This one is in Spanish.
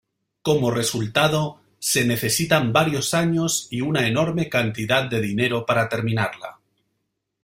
Como resultado, se necesitan varios años y una enorme cantidad de dinero para terminarla.